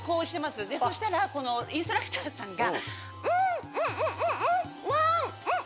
そしたらインストラクターさんが。